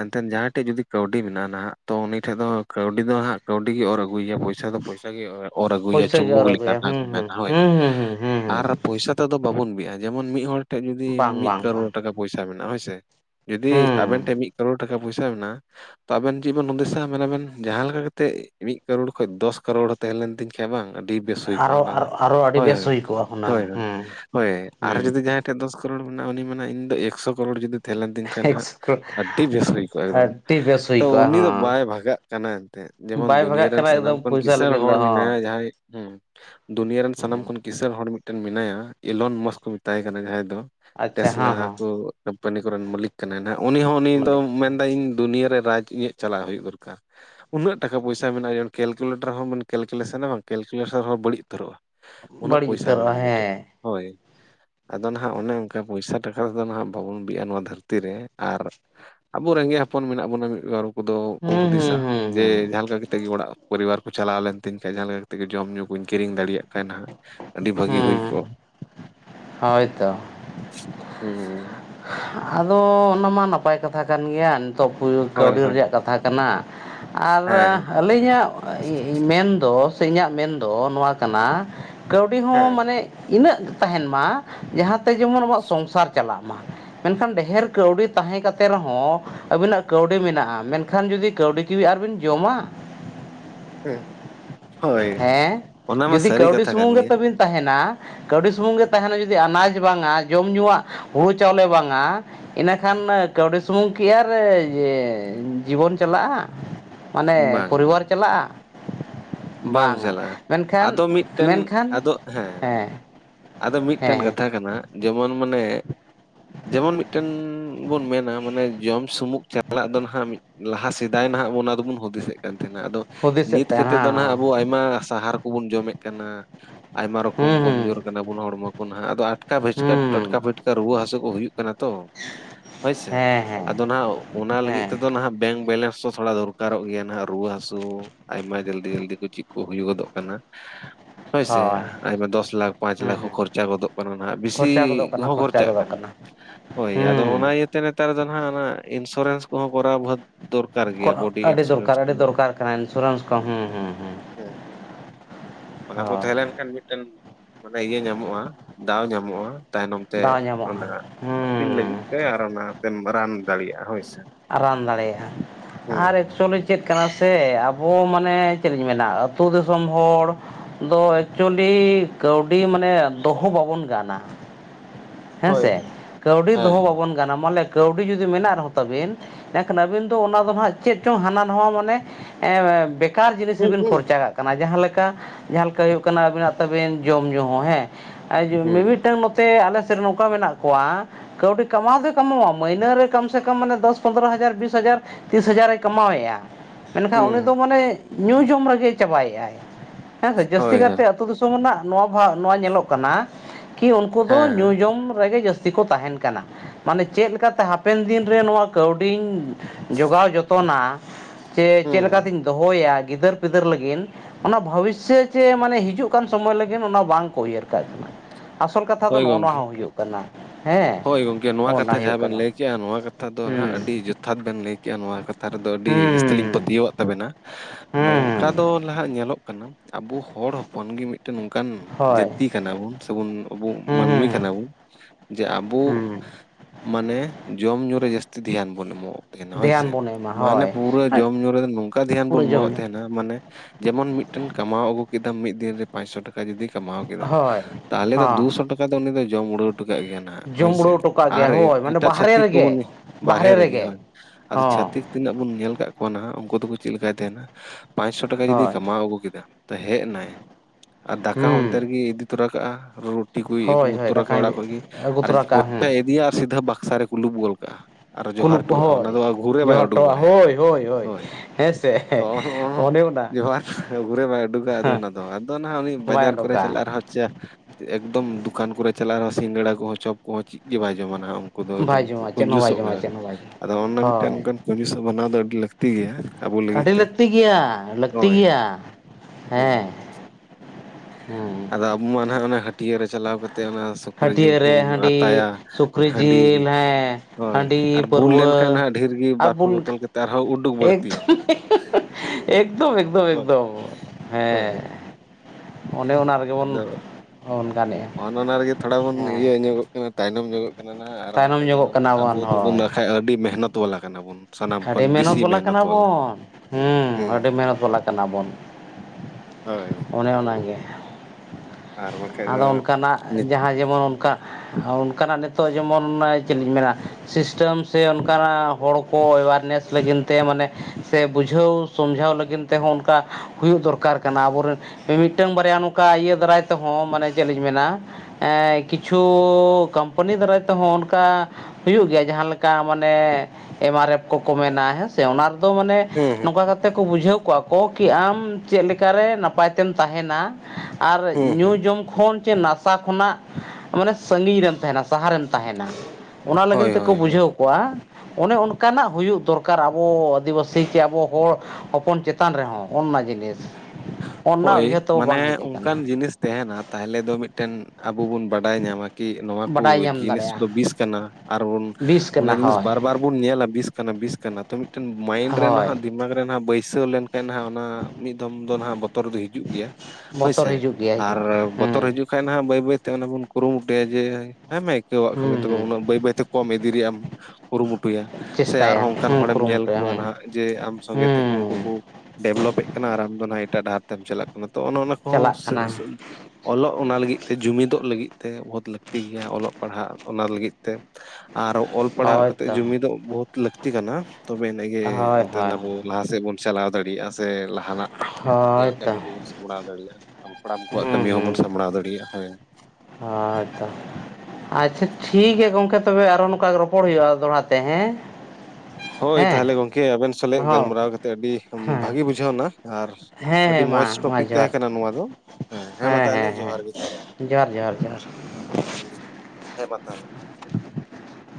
ᱮᱱᱛᱮᱱ ᱡᱟᱦᱟᱸᱭ ᱴᱷᱮᱡ ᱡᱩᱫᱤ ᱠᱟᱹᱣᱰᱤ ᱢᱮᱱᱟᱜᱼᱟ ᱱᱟᱦᱜ ᱛᱚ ᱩᱱᱤ ᱴᱷᱮᱡ ᱫᱚ ᱠᱟᱹᱣᱰᱤ ᱫᱚ ᱦᱟᱸᱜ ᱠᱟᱹᱣᱰᱤ ᱜᱮᱭ ᱚᱨ ᱟᱹᱜᱩᱭᱮᱭᱟ ᱯᱚᱭᱥᱟ ᱫᱚ ᱯᱚᱭᱥᱟ ᱯᱚᱭᱥᱟ ᱜᱮᱭ ᱚᱨ ᱟᱜᱩᱭᱟ ᱯᱩᱭᱥᱟᱹ ᱜᱮ ᱪᱩᱢᱵᱩᱜ ᱚᱨ ᱞᱮᱠᱟ ᱟᱹᱜᱩᱭᱟ ᱱᱟᱦᱟᱜ ᱦᱩᱸ ᱠᱚ ᱦᱩᱸ ᱢᱮᱱᱟ ᱦᱳᱭ᱾ ᱦᱩᱸ ᱦᱩᱸ ᱦᱩᱸ ᱦᱩᱸ ᱦᱩᱸ ᱟᱨ ᱯᱚᱭᱥᱟ ᱛᱮᱫᱚ ᱵᱟᱵᱚᱱ ᱵᱤᱜᱼᱟ᱾ ᱡᱮᱢᱚᱱ ᱢᱤᱫ ᱦᱚᱲ ᱴᱷᱮᱱ ᱡᱩᱫᱤ ᱵᱟᱝ ᱢᱤᱫ ᱵᱟᱝ ᱠᱟᱨᱳᱲ ᱵᱟᱝ ᱴᱟᱠᱟ ᱯᱚᱭᱥᱟ ᱢᱮᱱᱟᱜᱼᱟ ᱦᱳᱭᱥᱮ ᱡᱩᱫᱤ ᱦᱩᱸ ᱟᱵᱮᱱ ᱴᱷᱮᱱ ᱢᱤᱫ ᱠᱟᱨᱳᱲ ᱴᱟᱠᱟ ᱯᱚᱭᱥᱟ ᱢᱮᱱᱟᱜ-ᱟ ᱛᱚ ᱟᱵᱮᱱ ᱪᱮᱫ ᱵᱮᱱ ᱦᱩᱫᱤᱥᱟ, ᱢᱮᱱᱟᱵᱱ ᱡᱟᱦᱟᱸ ᱞᱮᱠᱟ ᱠᱟᱛᱮᱫ ᱢᱤᱫ ᱠᱟᱨᱳᱲ ᱠᱷᱚᱱ ᱫᱚᱥ ᱠᱟᱨᱳᱲ ᱛᱟᱦᱮᱸ ᱞᱮᱱ ᱛᱤᱧ ᱠᱷᱟᱱ ᱵᱟᱝ ᱟᱹᱰᱤ ᱵᱮᱥ ᱦᱩᱭ ᱠᱚᱜᱼᱟ ᱟᱨᱚ ᱚᱱᱟ ᱫᱚ᱾ ᱟᱨᱚ ᱟᱹᱰᱤ ᱵᱮᱥ ᱦᱳᱭ ᱦᱩᱭ ᱠᱚᱜᱼᱟ ᱦᱩᱱᱟᱹᱝ ᱦᱳᱭ ᱦᱩᱸ ᱦᱳᱭ᱾ ᱟᱨᱚ ᱦᱩᱸ ᱡᱩᱫᱤ ᱡᱟᱦᱟᱸᱭ ᱴᱷᱮᱱ ᱫᱚᱥ ᱠᱟᱨᱳᱲ ᱢᱮᱱᱟᱜᱼᱟ ᱩᱱᱤ ᱢᱟᱱᱟᱭ ᱤᱧ ᱫᱚ ᱮᱠᱥᱚ ᱠᱨᱚᱲ ᱡᱩᱫᱤ ᱛᱟᱦᱮᱸ ᱞᱮᱱ ᱛᱤᱧ ᱮᱱᱠᱷᱟᱱ ᱦᱟᱸᱜ ᱟᱹᱰᱤ ᱵᱮᱥ ᱦᱩᱭ ᱠᱚᱜᱼᱟ ᱮᱠᱫᱚᱢ᱾ ᱟᱹᱰᱤ ᱵᱮᱥ ᱦᱩᱭ ᱛᱚ ᱠᱚᱜᱼᱟ ᱩᱱᱤ ᱫᱚ ᱦᱚᱸ ᱵᱟᱭ ᱵᱷᱟᱜᱟᱜ ᱠᱟᱱᱟ᱾ ᱮᱱ ᱡᱮᱢᱚᱱ ᱵᱟᱭ ᱫᱩᱱᱤᱭᱟᱹ ᱵᱷᱟᱜᱟᱜ ᱨᱮᱱ ᱠᱟᱱᱟ ᱥᱟᱱᱟᱢ ᱮᱠᱫᱚᱢ ᱠᱷᱚᱱ ᱯᱚᱭᱥᱟ ᱠᱤᱥᱟᱹᱬ ᱞᱟᱹᱜᱤᱫ ᱦᱚᱲ ᱫᱚ ᱢᱮᱱᱟᱭᱟ ᱦᱚᱸ ᱡᱟᱦᱟᱸᱭ ᱦᱮᱸ ᱫᱩᱱᱤᱭᱟ ᱨᱮᱱ ᱥᱟᱱᱟᱢ ᱦᱩᱸ ᱠᱷᱚᱱ ᱠᱤᱥᱟᱹᱬ ᱦᱚᱲ ᱢᱤᱫᱴᱮᱱ ᱢᱮᱱᱟᱭᱟ ᱮᱞᱚᱱ ᱢᱚᱥ ᱠᱚ ᱢᱮᱛᱟᱭ ᱠᱟᱱᱟ ᱡᱟᱦᱟᱸᱭ ᱫᱚ ᱟᱪᱪᱷᱟ ᱴᱮᱥᱞᱟ ᱦᱚᱸ ᱦᱚᱸ ᱠᱩ ᱠᱳᱢᱯᱟᱱᱤ ᱠᱚᱨᱮᱱ ᱢᱟᱹᱞᱤᱠ ᱠᱟᱱᱟᱭ ᱱᱟᱦᱟᱜ ᱩᱱᱤ ᱦᱚᱸ ᱩᱱᱤ ᱢᱟ ᱫᱚ ᱞᱟᱹᱭ ᱠᱮᱫᱟ ᱢᱮᱱᱫᱟᱭ ᱤᱧ ᱫᱩᱱᱭᱟᱹ ᱨᱮ ᱨᱟᱡᱽ ᱤᱧᱟᱹᱜ ᱪᱟᱞᱟᱜ ᱦᱩᱭᱩᱜ ᱫᱚᱨᱠᱟᱨ᱾ ᱩᱱᱟᱹᱜ ᱴᱟᱠᱟ ᱯᱚᱭᱥᱟ ᱢᱮᱱᱟᱜᱼᱟ ᱡᱮ ᱠᱮᱞᱠᱩᱞᱮᱴᱟᱨ ᱦᱚᱸ ᱵᱮᱱ ᱠᱮᱞᱠᱩᱞᱮᱥᱚᱱᱟ ᱵᱟᱝ, ᱠᱮᱞᱠᱩᱞᱮᱴᱟᱨ ᱦᱚᱸ ᱵᱟᱹᱲᱤᱡ ᱩᱛᱟᱹᱨᱚᱜᱼᱟ᱾ ᱩᱱᱟᱹᱜ ᱵᱟᱹᱲᱤᱡ ᱯᱚᱭᱥᱟ ᱩᱛᱟᱹᱨᱚᱜᱼᱟ ᱢᱮᱱᱟᱜᱼᱟ ᱩᱱᱤ ᱴᱷᱮᱱ ᱦᱮᱸ ᱦᱳᱭ᱾ ᱟᱫᱚ ᱱᱟᱦᱟᱜ ᱚᱱᱮ ᱚᱱᱠᱟ ᱯᱚᱭᱥᱟ ᱴᱟᱠᱟ ᱛᱮᱫᱚ ᱱᱟᱦᱜ ᱵᱟᱵᱚᱱ ᱵᱤᱜᱼᱟ ᱱᱚᱣᱟ ᱫᱷᱟᱹᱨᱛᱤ ᱨᱮ᱾ ᱟᱨ ᱟᱵᱚ ᱨᱮᱸᱜᱮᱡᱽ ᱦᱚᱯᱚᱱ ᱢᱮᱱᱟᱜ ᱵᱚᱱᱟ ᱢᱤᱫ ᱵᱟᱨ ᱠᱚᱫᱚ ᱠᱚ ᱦᱩᱸ ᱦᱩᱫᱤᱥᱟ ᱦᱩᱸ ᱦᱩᱸ ᱡᱮ ᱦᱩᱸ ᱡᱟᱦᱟᱸ ᱞᱮᱠᱟ ᱠᱟᱛᱮᱜ ᱜᱮ ᱚᱲᱟᱜ ᱯᱚᱨᱤᱵᱟᱨ ᱠᱚ ᱪᱟᱞᱟᱣ ᱞᱮᱱᱛᱤᱧ ᱠᱷᱟᱡ, ᱡᱟᱦᱟᱸ ᱞᱮᱠᱟ ᱠᱟᱛᱮᱜ ᱜᱮ ᱡᱚᱢ ᱧᱩ ᱠᱩᱧ ᱠᱤᱨᱤᱧ ᱫᱟᱲᱮᱭᱟᱜ ᱠᱷᱟᱱ ᱦᱟᱜ ᱟᱹᱰᱤ ᱵᱷᱟᱹᱜᱤ ᱦᱩᱭ ᱠᱚᱜᱼᱟ᱾ ᱦᱳᱭ ᱛᱚ᱾ ᱦᱮᱸ᱾ ᱟᱫᱚ ᱚᱱᱟᱢᱟ ᱱᱟᱯᱟᱭ ᱠᱟᱛᱷᱟ ᱠᱟᱱ ᱜᱮᱭᱟ ᱱᱤᱛᱚᱜ ᱦᱳᱭ ᱠᱟᱹᱣᱰᱤ ᱦᱳᱭ ᱨᱮᱭᱟᱜ ᱠᱟᱛᱷᱟ ᱠᱟᱱᱟ᱾ ᱟᱨ ᱟᱹᱞᱤᱧᱟᱜ ᱢᱮᱱᱫᱚ ᱥᱮ ᱤᱧᱟᱹᱜ ᱢᱮᱱᱫᱚ ᱱᱚᱣᱟ ᱠᱟᱱᱟ ᱠᱟᱹᱣᱰᱤ ᱦᱚᱸ ᱢᱟᱱᱮ ᱤᱱᱟᱹᱜ ᱛᱟᱦᱮᱱ ᱢᱟ ᱡᱟᱦᱟᱸ ᱛᱮ ᱡᱮᱢᱚᱱ ᱟᱵᱚᱣᱟᱜ ᱥᱚᱝᱥᱟᱨ ᱪᱟᱞᱟᱜ᱾ ᱢᱮᱱᱠᱷᱟᱱ ᱰᱷᱮᱨ ᱠᱟᱹᱣᱰᱤ ᱛᱟᱦᱮᱸ ᱠᱟᱛᱮ ᱨᱮᱦᱚᱸ ᱟᱹᱵᱤᱱᱟᱜ ᱠᱟᱹᱣᱰᱤ ᱢᱮᱱᱟᱜᱼᱟ ᱢᱮᱱᱠᱷᱟᱱ ᱡᱩᱫᱤ ᱠᱟᱹᱣᱰᱤ ᱠᱤ ᱟᱨᱵᱤᱱ ᱡᱚᱢᱟ? ᱦᱳᱭ ᱦᱮᱸ ᱚᱱᱟ ᱢᱟ ᱡᱩᱫᱤ ᱥᱟᱹᱨᱤ ᱠᱟᱹᱣᱰᱤ ᱠᱟᱛᱷᱟ ᱠᱟᱱ ᱥᱩᱢᱩᱝ ᱜᱮᱭᱟ᱾ ᱜᱮᱛᱟᱵᱤᱱ ᱛᱟᱦᱮᱱᱟ ᱠᱟᱹᱣᱰᱤ ᱥᱩᱢᱩᱝ ᱜᱮ ᱛᱟᱦᱮᱱᱟ ᱡᱩᱫᱤ ᱟᱱᱟᱡᱽ ᱵᱟᱝᱟ ᱡᱚᱢ ᱧᱩᱩᱣᱟᱜ ᱦᱩᱲᱩ ᱪᱟᱣᱞᱮ ᱵᱟᱝᱟ᱾ ᱤᱱᱟᱹᱠᱷᱟᱱ ᱠᱟᱹᱣᱰᱤ ᱥᱩᱢᱩᱝ ᱠᱤ ᱟᱨ ᱡᱤᱵᱚᱱ ᱪᱟᱞᱟᱜᱼᱟ? ᱢᱟᱱᱮ ᱵᱟᱝ ᱵᱟᱝ ᱯᱚᱨᱤᱵᱟᱨ ᱪᱟᱞᱟᱜᱼᱟ? ᱵᱟᱝ ᱵᱟᱝᱟ ᱪᱟᱞᱟᱜᱼᱟ ᱢᱮᱱᱠᱷᱟᱱ ᱟᱫᱚ ᱢᱤᱫᱴᱮᱱ ᱢᱮᱱᱠᱷᱟᱱ ᱟᱫᱚ ᱦᱮᱸ᱾ ᱟᱫᱚ ᱢᱤᱫᱴᱮᱱ ᱦᱮᱸ ᱦᱮᱸ ᱠᱟᱛᱷᱟ ᱠᱟᱱᱟ ᱡᱮᱢᱚᱱ ᱢᱟᱱᱮ ᱡᱮᱢᱚᱱ ᱢᱤᱫᱴᱮᱱ ᱵᱚᱱ ᱢᱮᱱᱟ ᱢᱟᱱᱮ ᱡᱚᱢ ᱥᱩᱢᱩᱜ ᱪᱟᱞᱟᱜ ᱫᱚ ᱱᱟᱦᱟᱜ ᱢᱤᱫᱴᱮᱱ ᱞᱟᱦᱟ ᱥᱮᱫᱟᱭ ᱱᱟᱦᱟᱜ ᱚᱱᱟ ᱫᱚᱵᱚᱱ ᱦᱩᱫᱤᱥᱮᱫ ᱠᱟᱱᱟ᱾ ᱠᱟᱱ ᱛᱟᱦᱮᱱᱟ ᱟᱫᱚ ᱦᱩᱫᱤᱥᱮᱫ ᱱᱤᱛ ᱠᱟᱛᱮᱫ ᱫᱚ ᱱᱟᱦᱟᱜ ᱛᱟᱦᱮᱱᱟ ᱟᱵᱚ ᱟᱭᱢᱟ ᱥᱟᱦᱟᱨ ᱠᱚᱵᱚᱱ ᱡᱚᱢᱮᱫ ᱠᱟᱱᱟ᱾ ᱟᱭᱢᱟ ᱨᱚᱠᱚᱢ ᱠᱚᱢ ᱦᱮᱸ ᱡᱳᱨ ᱠᱟᱱᱟᱵᱚᱱ ᱦᱚᱲᱢᱚ ᱠᱚ ᱱᱟᱦᱟᱜ ᱟᱫᱚ ᱟᱴᱠᱟ ᱦᱮᱸ ᱯᱷᱟᱪᱠᱟ ᱴᱟᱴᱠᱟ ᱯᱷᱤᱪᱠᱟᱹ ᱨᱩᱣᱟᱹ ᱦᱟᱹᱥᱩ ᱠᱚ ᱦᱩᱭᱩᱜ ᱠᱟᱱᱟ ᱛᱚ᱾ ᱦᱳᱭᱥᱮ ᱦᱮᱸ ᱦᱮᱸ ᱦᱮᱸ ᱟᱫᱚ ᱱᱟᱦᱟᱜ ᱚᱱᱟ ᱞᱟᱹᱜᱤᱫ ᱦᱮᱸ ᱛᱮᱫᱚ ᱱᱟᱦᱟᱜ ᱵᱮᱝᱠ ᱵᱮᱞᱮᱱᱥ ᱫᱚ ᱛᱷᱚᱲᱟ ᱫᱚᱨᱠᱟᱨᱚᱜ ᱜᱮᱭᱟ ᱱᱟᱦᱟᱜ ᱨᱩᱣᱟᱹ ᱦᱟᱹᱥᱩ ᱟᱭᱢᱟ ᱡᱚᱞᱫᱤ ᱡᱚᱞᱫᱤ ᱠᱚ ᱪᱮᱫ ᱠᱚ ᱦᱩᱭᱩᱜ ᱜᱚᱫᱚᱜ ᱠᱟᱱᱟ ᱦᱳᱭᱥᱮ, ᱦᱳᱭ ᱟᱭᱢᱟ ᱫᱚᱥ ᱞᱟᱠᱷ ᱯᱟᱸᱪ ᱦᱮᱸ ᱞᱟᱠᱷ ᱦᱚᱸ ᱦᱮᱸ ᱠᱷᱚᱨᱪᱟ ᱜᱚᱫᱚᱜ ᱠᱟᱱᱟ, ᱱᱟᱦᱟᱜ ᱵᱮᱥᱤ ᱠᱷᱚᱨᱪᱟ ᱜᱚᱫᱚᱜ ᱠᱟᱱᱟ ᱦᱚᱸ ᱠᱷᱚᱨᱪᱟ ᱠᱷᱚᱨᱪᱟᱜ ᱜᱚᱫᱚᱜ ᱠᱟᱱᱟ, ᱦᱳᱭ ᱟᱫᱚ ᱦᱮᱸ ᱚᱱᱟ ᱜᱮ ᱤᱭᱟᱹᱛᱮ ᱱᱮᱛᱟᱨ ᱫᱚ ᱱᱟᱦᱟᱜ ᱚᱱᱟ ᱤᱱᱥᱩᱨᱮᱱᱥ ᱠᱚᱦᱚᱸ ᱠᱚᱨᱟᱣ ᱵᱷ ᱫᱚᱨᱠᱟᱨ ᱜᱮᱭᱟ᱾ ᱠᱚᱨᱟᱣ ᱵᱚᱰᱤ ᱟᱹᱰᱤ ᱤᱱᱥᱩᱨᱮᱱᱥ ᱫᱚᱨᱠᱟᱨ ᱫᱚ ᱟᱹᱰᱤ ᱦᱮᱸ᱾ ᱫᱚᱨᱠᱟᱨ ᱠᱟᱱᱟ ᱤᱱᱥᱩᱨᱮᱱᱥ ᱠᱚ ᱦᱩᱸ ᱦᱩᱸ ᱦᱩᱸ ᱚᱱᱟ ᱠᱚ ᱦᱳᱭ ᱛᱟᱦᱮᱸ ᱞᱮᱱ ᱠᱷᱟᱱ ᱢᱤᱫᱴᱮᱱ ᱢᱟᱱᱮ ᱤᱭᱟᱹ ᱧᱟᱢᱚᱜᱼᱟ, ᱫᱟᱣ ᱧᱟᱢᱚᱜᱼᱟ᱾ ᱛᱟᱭᱱᱚᱢ ᱛᱮ, ᱫᱟᱣ ᱧᱟᱢᱚᱜᱼᱟ ᱚᱸᱰᱮ ᱱᱟᱜ ᱟᱹᱯᱤᱞ ᱦᱩᱸ ᱞᱟᱹᱜᱤᱫ ᱛᱮ ᱟᱨ ᱚᱱᱟᱛᱮᱢ ᱨᱟᱱ ᱫᱟᱲᱮᱭᱟᱜᱼᱟ ᱦᱳᱭᱥᱮ ᱾ ᱨᱟᱱ ᱫᱟᱲᱮᱭᱟᱜᱼᱟ ᱟᱨ ᱮᱠᱪᱩᱭᱮᱞᱤ ᱪᱮᱫ ᱠᱟᱱᱟ ᱥᱮ ᱟᱵᱚ ᱢᱟᱱᱮ ᱪᱮᱫ ᱞᱤᱧ ᱢᱮᱱᱟ ᱟᱹᱛᱩ ᱫᱤᱥᱚᱢ ᱦᱚᱲ ᱫᱚ ᱮᱠᱪᱩᱭᱮᱞᱤ ᱠᱟᱹᱣᱰᱤ ᱢᱟᱱᱮ ᱫᱚᱦᱚ ᱵᱟᱵᱚᱱ ᱜᱟᱱᱟ᱾ ᱦᱮᱸ ᱦᱳᱭ ᱥᱮ, ᱠᱟᱣᱰᱤ ᱦᱳᱭ ᱫᱚᱦᱚ ᱦᱮᱸ ᱵᱟᱵᱚᱱ ᱜᱟᱱᱟ ᱢᱟ ᱞᱮ ᱠᱟᱹᱣᱰᱤ ᱡᱩᱫᱤ ᱢᱮᱱᱟᱜ ᱨᱮᱦᱚᱸ ᱛᱟᱵᱤᱱ ᱮᱱᱠᱷᱟᱱ ᱟᱹᱵᱤᱱ ᱫᱚ ᱚᱱᱟ ᱫᱚ ᱦᱟᱸᱜ ᱪᱮᱫ ᱪᱚᱝ ᱦᱟᱱᱟ ᱱᱟᱣᱟ ᱢᱟᱱᱮ ᱵᱮᱠ ᱵᱮᱠᱟᱨ ᱡᱤᱱᱤᱥ ᱦᱮᱸ ᱨᱮᱵᱤᱱ ᱠᱷᱚᱨᱪᱟ ᱠᱟᱜ ᱠᱟᱱᱟ ᱡᱟᱦᱟᱸ ᱞᱮᱠᱟ ᱡᱟᱦᱟᱸ ᱞᱮᱠᱟ ᱦᱩᱭᱩᱜ ᱠᱟᱱᱟ ᱟᱵᱤᱱᱟᱜ ᱛᱟᱵᱤᱱ ᱡᱚᱢᱼᱧᱩ ᱦᱚᱸ ᱦᱮᱸ᱾ ᱦᱮᱸ ᱢᱤᱢᱤᱫᱴᱟᱝ ᱱᱚᱛᱮ ᱟᱞᱮ ᱥᱮᱫ ᱨᱮ ᱱᱚᱝᱠᱟ ᱢᱮᱱᱟᱜ ᱠᱚᱣᱟ᱾ ᱠᱟᱹᱣᱰᱤ ᱠᱟᱢᱟᱣ ᱫᱚᱭ ᱠᱟᱢᱟᱣᱟ ᱢᱟᱹᱭᱱᱟᱹ ᱨᱮ ᱠᱚᱢ ᱥᱮ ᱠᱚᱢ ᱢᱟᱱᱮ ᱫᱚᱥ ᱯᱚᱱᱫᱽᱨᱚ ᱦᱟᱡᱟᱨ ᱵᱤᱥ ᱦᱟᱡᱟᱨ, ᱛᱤᱥ ᱦᱟᱡᱟᱨᱮ ᱠᱟᱢᱟᱣᱮᱫᱼᱟ᱾ ᱢᱮᱱᱠᱷᱟᱱ ᱦᱮᱸ ᱩᱱᱤ ᱦᱮᱸ ᱫᱚ ᱢᱟᱱᱮ ᱧᱩ ᱡᱚᱢ ᱨᱮᱜᱮᱭ ᱪᱟᱵᱟᱭᱼᱟᱭ, ᱦᱮᱸᱥᱮ ᱦᱳᱭ ᱡᱟᱹᱥᱛᱤ ᱦᱮᱸ ᱠᱟᱨᱛᱮ ᱟᱛᱩ ᱫᱤᱥᱚᱢ [unintelligible] ᱱᱚᱭᱟ ᱧᱮᱞᱚᱜ ᱠᱟᱱᱟ ᱠᱤ ᱩᱱᱠᱩ ᱦᱮᱸ ᱫᱚ ᱧᱩ ᱡᱚᱢ ᱨᱮᱜᱮ ᱡᱟᱹᱥᱛᱤ ᱠᱚ ᱛᱟᱦᱮᱱ ᱠᱟᱱᱟ᱾ ᱢᱟᱱᱮ ᱪᱮᱫ ᱞᱮᱠᱟᱛᱮ ᱦᱟᱯᱮᱱ ᱫᱤᱱ ᱨᱮ ᱱᱚᱣᱟ ᱠᱟᱹᱣᱰᱤᱧ ᱡᱚᱜᱟᱣ ᱡᱚᱛᱚᱱᱟ, ᱪᱮ ᱪᱮᱫ ᱦᱮᱸ ᱞᱮᱠᱟᱛᱮᱧ ᱫᱚᱦᱚᱭᱟ ᱜᱤᱫᱟᱹᱨ ᱯᱤᱫᱟᱹᱨ ᱞᱟᱹᱜᱤᱱ ᱚᱱᱟ ᱵᱷᱚᱵᱤᱥᱥᱚ ᱪᱮ ᱢᱟᱱᱮ ᱦᱤᱡᱩᱜ ᱠᱟᱱ ᱥᱚᱢᱚᱭ ᱞᱟᱹᱜᱤᱱ ᱚᱱᱟ ᱵᱟᱝᱠᱚ ᱩᱭᱦᱟᱹᱨ ᱠᱟᱜ ᱠᱟᱱᱟ᱾ ᱟᱥᱚᱞ ᱠᱟᱛᱷᱟ ᱫᱚ ᱦᱳᱭ ᱱᱚᱜᱼᱚ ᱱᱚᱣᱟ ᱜᱚᱢᱠᱮ ᱦᱚᱸ ᱦᱩᱭᱩᱜ ᱠᱟᱱᱟ᱾ ᱦᱮᱸ ᱦᱳᱭ ᱜᱚᱝᱠᱮ ᱱᱚᱣᱟ ᱚᱱᱟ ᱠᱟᱛᱷᱟ ᱦᱩᱭᱩᱜ ᱡᱟᱦᱟᱸ ᱵᱮᱱ ᱠᱟᱱᱟ ᱞᱮᱭ ᱠᱮᱜᱼᱟ ᱱᱚᱣᱟ ᱠᱟᱛᱷᱟ ᱫᱚ ᱱᱟᱦᱜ ᱦᱩᱸ ᱟᱹᱰᱤ ᱡᱚᱛᱷᱟᱛ ᱵᱮᱱ ᱞᱮᱭ ᱠᱮᱫᱼᱟ ᱱᱚᱣᱟ ᱠᱟᱛᱷᱟ᱾ ᱛᱷᱟ ᱫᱚ ᱟᱹᱰᱤ ᱡᱟᱹᱛᱤ ᱞᱤᱧ ᱯᱟᱹᱛ ᱦᱩᱸ ᱛᱤᱭᱟᱹᱣᱟᱜ ᱛᱟᱵᱮᱱᱟ᱾ ᱦᱩᱸ ᱱᱚᱝᱠᱟ ᱦᱩᱸ ᱫᱚ ᱞᱟᱦᱟᱜ ᱧᱮᱞᱚᱜ ᱠᱟᱱᱟ ᱟᱵᱚ ᱦᱚᱲ ᱦᱚᱯᱚᱱ ᱜᱮ ᱢᱤᱫ ᱱᱚᱝᱠᱟᱱ ᱦᱳᱭ ᱡᱟᱹᱛᱤ ᱠᱟᱱᱟ ᱵᱚᱱ ᱥᱮ ᱵᱚᱱ ᱟᱵ ᱦᱩᱸ ᱢᱟᱹᱱᱢᱤ ᱦᱩᱸ ᱠᱟᱱᱟ ᱵᱚᱱ᱾ ᱡᱮ ᱟᱵᱚ, ᱦᱩᱸ ᱢᱟᱱᱮ ᱡᱚᱢ ᱧᱩ ᱨᱮ ᱡᱟᱹᱥᱛᱤ ᱫᱷᱮᱭᱟᱱ ᱵᱚᱱ ᱮᱢᱚᱜ᱾ ᱦᱳᱭᱥᱮ ᱫᱷᱮᱭᱟᱱ ᱵᱚᱱ ᱮᱢᱟ ᱢᱟᱱᱮ ᱦᱳᱭ ᱯᱩᱨᱟᱹ ᱡᱚᱢ ᱧᱩ ᱨᱮᱫᱚ ᱱᱚᱝᱠᱟ ᱫᱷᱮᱭᱟᱱ ᱯᱩᱨᱟᱹ ᱵᱚᱱ ᱮᱢᱟᱣᱟᱫ ᱡᱚᱢ ᱧᱩ ᱛᱟᱦᱮᱱᱟ, ᱢᱟᱱᱮ ᱡᱮᱢᱚᱱ ᱢᱤᱫᱴᱮᱱ ᱠᱟᱢᱟᱣ ᱟᱹᱜᱩ ᱠᱮᱫᱟᱢ ᱢᱤᱫ ᱫᱤᱱ ᱨᱮ ᱯᱟᱸᱪᱥᱚ ᱴᱟᱠᱟ, ᱚᱱᱠᱟ ᱡᱩᱫᱤᱭ ᱠᱟᱢᱟᱣ ᱠᱮᱫᱟ, ᱦᱳᱭ ᱛᱟᱦᱚᱞᱮ ᱫᱚ ᱦᱚᱸ ᱫᱩᱥᱚ ᱴᱟᱠᱟ ᱫᱚ ᱩᱱᱤ ᱫᱚ ᱡᱚᱢ ᱩᱬᱟᱣᱚ ᱦᱚᱴᱚ ᱟᱹᱜ ᱜᱮ ᱱᱟᱦᱟᱜ ᱦᱳᱭ ᱡᱚᱢ ᱩᱲᱟᱹᱣ ᱥᱮ ᱦᱚᱴᱚ ᱠᱟᱜ ᱟᱨ ᱜᱮᱭᱟ ᱦᱳᱭ ᱢᱟᱱᱮ ᱮᱴᱟᱜ ᱵᱟᱦᱨᱮ ᱪᱷᱟᱹᱛᱤᱠ ᱠᱚᱵᱚᱱ, ᱨᱮᱜᱮ ᱵᱟᱨᱦᱮ ᱵᱟᱦᱨᱮ ᱨᱮᱜᱮ ᱦᱳᱭ ᱟᱫᱚ ᱦᱚᱸ ᱪᱟᱹᱛᱤᱠ ᱛᱤᱱᱟᱹᱜ ᱵᱚᱱ ᱧᱮᱞ ᱟᱠᱟᱫ ᱠᱚᱣᱟ ᱱᱟᱦᱟᱜ ᱩᱱᱠᱩ ᱫᱚᱠᱚ ᱪᱮᱫ ᱞᱮᱠᱟᱭ ᱛᱟᱦᱮᱱᱟ, ᱯᱟᱸᱪᱥᱚ ᱴᱟᱠᱟ ᱡᱩᱫᱤᱭ ᱦᱳᱭ ᱠᱟᱢᱟᱣ ᱟᱹᱜᱩ ᱠᱮᱫᱟ, ᱛᱚ ᱦᱮᱡ ᱮᱱᱟᱭ, ᱟᱨ ᱫᱟᱠᱟ ᱦᱚᱸ ᱚᱱᱛᱮ ᱦᱩᱸ ᱨᱮᱜᱮ ᱤᱫᱤ ᱛᱚᱨᱟ ᱠᱟᱜᱼᱟ, ᱨᱩ ᱴᱤ ᱠᱚᱭ ᱦᱳᱭ ᱟᱹᱜᱩ ᱦᱳᱭ ᱛᱚᱨᱟ ᱠᱟᱜ-ᱟ ᱚᱲᱟᱜ ᱫᱟᱠᱟᱧ ᱠᱷᱚᱡ ᱜᱮ ᱟᱹᱜᱩ ᱟᱨ ᱛᱚᱨᱟ ᱠᱟᱜᱼᱟ ᱦᱩᱸ ᱯᱚᱭᱥᱟᱭ ᱤᱫᱤᱭᱟ ᱟᱨ ᱥᱤᱫᱟᱹ ᱵᱟᱠᱥᱟ ᱨᱮ ᱠᱩᱞᱩᱵ ᱜᱚᱫ ᱠᱟᱜᱼᱟ᱾ ᱟᱨᱚ ᱡᱚᱦᱟᱨ ᱠᱩᱞᱩᱯ ᱦᱚᱴᱚᱭᱟᱜᱼᱟ, ᱚᱱᱟ ᱦᱳᱭ ᱫᱚ ᱜᱷᱩᱨᱮ ᱵᱟᱭ ᱡᱚᱦᱚᱲ ᱩᱰᱩᱠ ᱦᱚᱴᱚᱣᱟᱜ ᱵᱟᱲᱟᱭᱟ, ᱦᱳᱭ ᱦᱳᱭ᱾ ᱦᱮᱸᱥᱮ ᱛᱚ ᱚᱱᱮ ᱚᱱᱟ [unintelligible] ᱡᱚᱦᱟᱨ ᱜᱩᱨᱮ ᱵᱟᱭ ᱩᱰᱩᱠᱟ ᱟᱫᱚ ᱚᱱᱟ ᱫᱚ ᱟᱫᱚ ᱱᱟᱦᱟᱜ ᱩᱱᱤ ᱵᱟᱭ ᱵᱟᱡᱟᱨ ᱠᱚᱨᱮ ᱚᱰᱚᱠᱟ ᱪᱟᱞᱟᱜ ᱨᱮ ᱦᱚᱸ ᱪᱟ, ᱮᱠᱫᱚᱢ ᱫᱚᱠᱟᱱ ᱠᱚᱨᱮ ᱪᱟᱞᱟᱜ ᱨᱮᱦᱚᱸ ᱥᱤᱸᱜᱟᱹᱲᱟ ᱠᱚᱦᱚᱸ ᱪᱚᱯ ᱠᱚᱦᱚᱸ ᱪᱮᱫ ᱜᱮ ᱵᱟᱭ ᱡᱚᱢᱟ ᱱᱟᱦᱟᱜ᱾ ᱩᱱᱠᱩ ᱫᱚ ᱮᱠᱫᱚᱢ ᱵᱟᱭ ᱠᱚ ᱡᱚᱢᱟ ᱪᱮᱫ ᱦᱚᱸ ᱵᱟᱭ ᱠᱩᱧᱡᱩᱥᱚᱜ ᱡᱚᱢᱟ ᱠᱟᱱᱟ, ᱪᱮᱫ ᱦᱚᱸ ᱵᱟᱭ ᱡᱚᱢᱟ ᱟᱫᱚ ᱚᱱᱱᱟ ᱢᱤᱫᱴᱮᱱ ᱦᱳᱭ ᱚᱱᱠᱟᱱ ᱯᱧᱡᱩᱥᱟ ᱵᱮᱱᱟᱣ ᱫᱚ ᱟᱹᱰᱤ ᱞᱟᱹᱠ ᱟᱹᱰᱤ ᱞᱟᱹᱠᱛᱤ ᱜᱮᱭᱟ, ᱞᱟᱹᱠᱛᱤ ᱦᱳᱭ ᱜᱮᱭᱟ, ᱦᱮᱸ᱾ ᱦᱩᱸ ᱦᱩᱸ᱾ ᱟᱫᱚ ᱟᱵᱚ ᱢᱟ ᱱᱟᱦᱟᱜ ᱚᱱᱟ ᱦᱟᱹᱴᱭᱟᱹ ᱨᱮ ᱪᱟᱞᱟᱣ ᱠᱟᱛᱮᱜ ᱚᱱᱟ ᱥᱩᱠᱨᱤ ᱡᱮᱞ ᱦᱟᱹᱴᱭᱟᱹ ᱨᱮ ᱠᱚᱵᱚᱱ ᱦᱟᱺᱰᱤ ᱟᱛᱟᱭᱟ, ᱥᱩᱠᱨᱤ ᱦᱟᱺᱰᱤ ᱡᱤᱞ ᱦᱮᱸ ᱦᱳᱭ ᱦᱟᱺᱰᱤ ᱟᱨ ᱵᱩᱞ ᱞᱮᱱᱠᱷᱟᱱ ᱯᱟᱹᱨᱣᱟᱹ ᱦᱟᱸᱜ ᱰᱷᱮᱨ ᱜᱮ ᱟᱨ ᱵᱟᱨ-ᱯᱮ ᱵᱚᱱ ᱵᱳᱛᱚᱞ ᱠᱟᱛᱮ ᱟᱨᱦᱚᱸ ᱩᱰᱩᱠ ᱵᱟᱹᱲᱛᱤᱼᱟ᱾ ᱮᱠᱫᱚᱢ ᱮᱠᱫᱚᱢ ᱮᱠᱫᱚᱢ ᱮᱠᱫᱚᱢ, ᱦᱳᱭ ᱦᱮᱸ᱾ ᱚᱱᱮ ᱚᱱᱟ ᱨᱮᱜᱮ ᱵᱚᱱ ᱵᱚᱱ ᱜᱟᱱᱮᱜᱼᱟ᱾ ᱚᱱ-ᱚᱱᱟ ᱨᱮᱜᱮ ᱛᱷᱚᱲᱟ ᱵᱚᱱ ᱤᱭᱟᱹ ᱧᱚᱜᱚᱜ ᱠᱟᱱᱟ᱾ ᱛᱟᱭᱱᱚᱢ ᱧᱚᱜᱚᱜ ᱠᱟᱱᱟ ᱱᱟᱦᱟᱸᱜ ᱟᱨ ᱛᱟᱭᱱᱚᱢ ᱵᱟᱠᱷᱟᱡ ᱫᱚ ᱧᱚᱜᱚᱜ ᱠᱟᱱᱟ ᱟᱵᱚ ᱵᱚᱱ ᱫᱚᱵᱚᱱ ᱦᱳᱭ ᱵᱟᱠᱷᱟᱡ ᱟᱹᱰᱤ ᱢᱮᱦᱱᱚᱛ ᱵᱟᱞᱟ ᱠᱟᱱᱟ ᱵᱚᱱ᱾ ᱥᱟᱱᱟᱢ ᱟᱹᱰᱤ ᱠᱷᱚᱱ ᱢᱮᱦᱱᱚᱛ ᱵᱮᱥᱤ ᱵᱟᱞᱟ ᱠᱟᱱᱟ ᱵᱚᱱ, ᱦᱮᱸ ᱟᱹᱰᱤ ᱦᱩᱸ ᱢᱮᱦᱱᱚᱛ ᱵᱟᱞᱟ ᱠᱟᱱᱟ ᱵᱚᱱ᱾ ᱦᱳᱭ ᱚᱱᱮ ᱚᱱᱟ ᱜᱮ, ᱟᱨ ᱵᱟᱠᱷᱟᱡ ᱫᱚ ᱟᱫᱚ ᱚᱱᱠᱟᱱᱟᱜ ᱱᱤᱛ ᱡᱟᱦᱟᱸᱭ ᱡᱮᱢᱚᱱ ᱚᱱᱠᱟ ᱚᱱᱠᱟᱱᱟᱜ ᱱᱤᱛᱚᱜ ᱡᱮᱢᱚᱱ ᱚᱱᱟ ᱪᱮᱫ ᱞᱤᱧ ᱢᱮᱱᱟ ᱥᱤᱥᱴᱮᱢ ᱥᱮ ᱚᱱᱠᱟᱱᱟᱜ ᱦᱚᱲ ᱠᱚ ᱮᱣᱟᱨᱱᱮᱥ ᱞᱟᱹᱜᱤᱱ ᱛᱮ ᱢᱟᱱᱮ ᱥᱮ ᱵᱩᱡᱷᱟᱹᱣ ᱥᱚᱢᱡᱷᱟᱣ ᱞᱟᱹᱜᱤᱱ ᱛᱮᱦᱚᱸ ᱚᱱᱠᱟ ᱦᱩᱭᱩᱜ ᱫᱚᱨᱠᱟᱨ ᱠᱟᱱᱟ, ᱟᱵᱚᱨᱮᱱ ᱢᱤ-ᱢᱤᱫᱴᱟᱱ ᱵᱟᱨᱭᱟ ᱱᱚᱝᱠᱟ ᱤᱭᱟᱹ ᱫᱟᱨᱟᱭ ᱛᱮᱦᱚᱸ ᱢᱟᱱᱮ ᱪᱮᱫ ᱞᱤᱧ ᱢᱮᱱᱟ ᱮᱸ ᱠᱤᱪᱷᱩ ᱠᱳᱢᱯᱟᱱᱤ ᱫᱟᱨᱟᱭ ᱛᱮᱦᱚᱸ ᱚᱱᱠᱟ ᱦᱩᱭᱩᱜ ᱜᱮᱭᱟ ᱡᱟᱦᱟᱸ ᱞᱮᱠᱟ ᱢᱟᱱᱮ ᱮᱢᱟᱨᱮᱯᱷ ᱠᱚ ᱠᱚᱢᱮᱱᱟ ᱦᱮᱸᱥᱮ ᱚᱱᱟ ᱨᱮᱫᱚ ᱢᱟᱱᱮ ᱦᱮᱸ ᱦᱩᱸ᱾ ᱱᱚᱝᱠᱟ ᱠᱟᱛᱮ ᱠᱚ ᱵᱩᱡᱷᱟᱹᱣ ᱠᱚᱜᱣᱟ ᱠᱚ ᱠᱤ ᱟᱢ ᱪᱮᱫ ᱞᱮᱠᱟᱨᱮ ᱱᱟᱯᱟᱭ ᱛᱮᱢ ᱛᱟᱦᱮᱸᱱᱟ, ᱟᱨ ᱦᱩᱸ ᱦᱩᱸ ᱧᱩ ᱡᱚᱢ ᱠᱷᱚᱱ ᱪᱮ ᱱᱟᱥᱟ ᱠᱷᱚᱱᱟᱜ ᱢᱟᱱᱮ ᱥᱟᱺᱜᱤᱧ ᱨᱮᱢ ᱛᱟᱦᱮᱸᱱᱟ ᱥᱟᱦᱟᱨᱮᱢ ᱛᱟᱦᱮᱸᱱᱟ ᱚᱱᱟ ᱦᱳᱭ ᱞᱟᱹᱜᱤᱫ ᱦᱳᱭ ᱛᱮᱠᱚ ᱦᱳᱭ ᱵᱩᱡᱷᱟᱹᱣ ᱠᱚᱣᱟ ᱚᱱᱮ ᱚᱱᱠᱟᱱᱟᱜ ᱦᱩᱭᱩᱜ ᱫᱚᱨᱠᱟᱨ ᱟᱵᱚ ᱟᱹᱫᱤᱵᱟᱹᱥᱤ ᱪᱮ ᱟᱵᱚ ᱦᱚᱲ ᱦᱚᱯᱚᱱ ᱪᱮᱛᱟᱱ ᱨᱮᱦᱚᱸ ᱚᱱᱱᱟ ᱡᱤᱱᱤᱥ ᱚᱱ ᱦᱳᱭ ᱢᱟᱱᱮ ᱚᱝᱠᱟᱱ ᱡᱤᱱᱤᱥ ᱛᱟᱦᱮᱸᱱᱟ ᱛᱟᱦᱚᱞᱮ ᱫᱚ ᱢᱤᱫᱴᱮᱱ ᱟᱵᱚ ᱵᱚᱱ ᱵᱟᱰᱟᱭ ᱧᱟᱢᱟ ᱠᱤ ᱱᱚᱣᱟ ᱠᱩ ᱵᱟᱰᱟᱭ ᱧᱟᱢ ᱡᱤᱱᱤᱥ ᱫᱟᱲᱮᱭᱟᱜᱼᱟ ᱫᱚ ᱵᱤᱥ ᱠᱟᱱᱟ, ᱟᱨᱵᱚᱱ ᱵᱤᱥ ᱠᱟᱱᱟ ᱦᱳᱭ᱾ ᱵᱚᱱ ᱧᱮᱞᱟ ᱵᱤᱥ ᱠᱟᱱᱟ ᱵᱤᱥ ᱠᱟᱱᱟ ᱛᱚ ᱢᱤᱫᱴᱮᱱ ᱢᱟᱭᱤᱱᱰ ᱨᱮ ᱦᱳᱭ ᱱᱟᱦᱟᱸᱜ ᱫᱤᱢᱟᱜᱽ ᱨᱮ ᱦᱟᱸᱜ ᱵᱟᱹᱭᱥᱟᱹᱣ ᱞᱮᱱ ᱠᱷᱟᱱ ᱱᱟᱸᱜ ᱚᱱᱟ ᱢᱤᱫ ᱫᱚᱢ ᱫᱚ ᱱᱟᱦᱟᱸᱜ ᱵᱚᱛᱚᱨ ᱫᱚ ᱦᱤᱡᱩᱜ ᱜᱮᱭᱟ ᱵᱚᱛᱚᱨ ᱦᱳᱭᱥᱮ ᱦᱤᱡᱩᱜ ᱜᱮᱭᱟ ᱟᱨ ᱦᱤᱡᱩᱜ ᱜᱮᱭᱟ ᱵᱚᱛᱚᱨ ᱦᱮᱸ ᱦᱤᱡᱩᱜ ᱠᱷᱟᱡ ᱱᱟᱦᱟᱸᱜ ᱵᱟᱹᱭ ᱵᱟᱹᱭᱛᱮ ᱚᱱᱟ ᱵᱚᱱ ᱠᱩᱨᱩᱢᱩᱴᱩᱭᱟ ᱡᱮ ᱦᱮᱸ ᱢᱟ ᱟᱹᱭᱠᱟᱹᱣᱟᱜ ᱠᱷᱟᱢ ᱦᱮᱸ ᱛᱚᱵᱮ ᱦᱮᱸ ᱩᱱᱟᱹᱜ ᱵᱟᱹᱭ ᱵᱟᱹᱭᱛᱮ ᱠᱚᱢ ᱤᱫᱤᱨᱮᱭᱟᱜ ᱟᱢ ᱠᱩᱨᱩᱢᱩᱴᱩᱭᱟ ᱥᱮ ᱪᱮᱥᱴᱟᱭᱟ ᱟᱨᱦᱚᱸ ᱚᱱᱠᱟᱱ ᱦᱮᱸ ᱦᱚᱲᱮᱢ ᱧᱮᱞ ᱠᱩᱨᱩᱢᱩᱴᱩᱭᱟ ᱠᱚᱣᱟ ᱦᱮᱸ ᱱᱟᱦᱟᱸᱜ ᱡᱮ ᱟᱢ ᱥᱚᱸᱜᱮ ᱛᱮᱠᱚ ᱩᱱᱠᱩ ᱦᱮᱸ ᱠᱚ ᱰᱮᱵᱷᱞᱚᱯᱮᱜ ᱠᱟᱱᱟ ᱟᱨ ᱟᱢ ᱫᱚ ᱱᱟᱦᱟᱸᱜ ᱮᱴᱟᱜ ᱰᱟᱦᱟᱨ ᱛᱮᱢ ᱪᱟᱞᱟᱜ ᱠᱟᱱᱟ ᱛᱚ ᱚᱱᱮ ᱚᱱᱟ ᱠᱚᱦᱚᱸ ᱪᱟᱞᱟᱜ ᱥᱟ ᱠᱟᱱᱟ ᱥᱟ ᱚᱞᱚᱜ ᱚᱱᱟ ᱞᱟᱹᱜᱤᱫ ᱛᱮ ᱡᱩᱢᱤᱫᱚᱜ ᱞᱟᱹᱜᱤᱫ ᱛᱮ ᱵᱚᱦᱩᱛ ᱞᱟᱹᱠᱛᱤ ᱜᱮᱭᱟ ᱚᱞᱚᱜ ᱯᱟᱲᱦᱟᱜ ᱚᱱᱟ ᱞᱟᱹᱜᱤᱫ ᱛᱮ, ᱟᱨ ᱚᱞ ᱯᱟᱲᱦᱟᱣ ᱠᱟᱛᱮᱜ ᱦᱳᱭᱛᱚ ᱡᱩᱢᱤᱫᱚᱜ ᱵᱚᱦᱩᱛ ᱞᱟᱹᱠᱛᱤ ᱠᱟᱱᱟ ᱛᱚᱵᱮ ᱤᱱᱟᱜ ᱜᱮ ᱦᱳᱭ ᱮᱱᱛᱮ ᱦᱳᱭ ᱟᱵᱚ ᱞᱟᱦᱟ ᱥᱮᱫ ᱵᱚᱱ ᱪᱟᱞᱟᱣ ᱫᱟᱲᱮᱭᱟᱜᱼᱟ ᱥᱮ ᱞᱟᱦᱟ ᱨᱮᱭᱟᱜ ᱠᱟᱹᱢᱤ ᱦᱳᱭᱛᱚ ᱜᱮᱵᱚᱱ ᱥᱟᱢᱵᱲᱟᱣ ᱫᱟᱲᱮᱭᱟᱜᱼᱟ ᱦᱟᱯᱲᱟᱢ ᱠᱚᱣᱟᱜ ᱦᱮᱸ ᱠᱟᱹᱢᱤ ᱦᱚᱸᱵᱚᱱ ᱥᱟᱢᱵᱲᱟᱣ ᱫᱟᱲᱮᱭᱟᱜᱼᱟ ᱦᱳᱭ᱾ ᱦᱳᱭ ᱛᱚ᱾ ᱟᱪᱪᱷᱟ ᱴᱷᱤᱠ ᱜᱮᱭᱟ ᱜᱚᱢᱠᱮ ᱛᱚᱵᱮ ᱟᱨᱚ ᱱᱚᱝᱠᱟ ᱨᱚᱯᱚᱲ ᱦᱩᱭᱩᱜᱼᱟ ᱫᱚᱦᱲᱟᱛᱮ ᱦᱮᱸ᱾ ᱦᱳᱭ ᱦᱮᱸ ᱛᱟᱦᱚᱞᱮ ᱜᱚᱝᱠᱮ ᱟᱵᱮᱱ ᱥᱟᱞᱮ ᱦᱚᱸ ᱜᱟᱞᱢᱟᱨᱟᱣ ᱠᱟᱛᱮᱜ ᱟᱹᱰᱤ ᱦᱮᱸ ᱵᱷᱟᱜᱮ ᱵᱩᱡᱷᱟᱹᱣ ᱱᱟ, ᱟᱨ ᱦᱮᱸ ᱟᱹᱰᱤ ᱦᱮᱸ ᱢᱚᱡᱽ ᱢᱟ ᱢᱟ ᱴᱚᱯᱤᱠ ᱛᱟᱦᱮᱸ ᱡᱚᱦᱟᱨ ᱠᱟᱱᱟ ᱱᱚᱣᱟ ᱫᱚ, ᱦᱮᱸ ᱦᱮᱸ ᱢᱟ ᱛᱟᱦᱚᱞᱮ ᱡᱚᱦᱟᱨ ᱜᱮ ᱛᱟᱦᱚᱞᱮ ᱡᱚᱦᱟᱨ ᱡᱚᱦᱟᱨ ᱦᱮᱸ ᱡᱚᱦᱟᱨ ᱦᱮᱸ ᱢᱟ ᱛᱟᱦᱚᱞᱮ᱾ [inaudible]